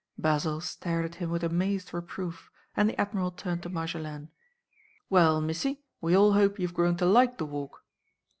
Basil stared at him with amazed reproof, and the Admiral turned to Marjolaine. "Well, Missie, we all hope you 've grown to like the Walk?"